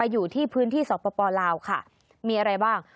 อยู่ที่พื้นที่สปลาวค่ะมีอะไรบ้าง